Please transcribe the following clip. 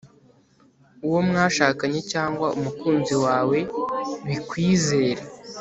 uwo mwashakanye cyangwa umukunzi wawe bikwizere